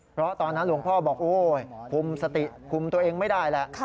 เพราะตอนนั้นหลวงพ่อบอกโอ้ยคุมสติคุมตัวเองไม่ได้แหละ